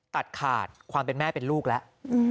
ตัดขาดความเป็นแม่เป็นลูกแล้ว